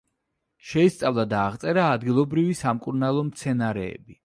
შეისწავლა და აღწერა ადგილობრივი სამკურნალო მცენარეები.